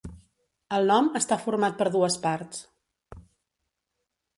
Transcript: El nom està format per dues parts.